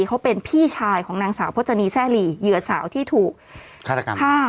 เขาเป็นพี่ชายของนางสาวพจนีแซ่หลีเหยื่อสาวที่ถูกฆาตกรรมฆ่า